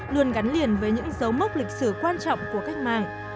luôn gắn liền với những dấu mốc lịch sử quan trọng của cách mạng